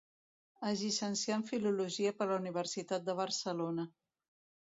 Es llicencià en filologia per la Universitat de Barcelona.